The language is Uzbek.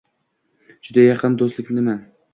- Juda yaqin do'stliknimi?